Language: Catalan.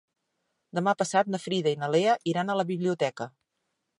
Demà passat na Frida i na Lea iran a la biblioteca.